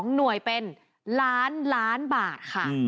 ๒หน่วยเป็นล้านล้านบาทค่ะ